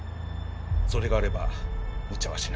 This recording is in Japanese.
それがあればむちゃはしない。